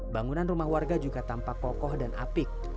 bangunan rumah warga juga tampak kokoh dan apik